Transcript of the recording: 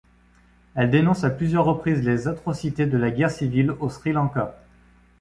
Elle dénonce à plusieurs reprises les atrocités de la guerre civile au Sri Lanka.